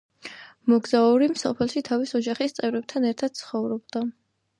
მოგზაური სოფელში თავის ოჯახის წევრებთან ერთად ცხოვრობდა.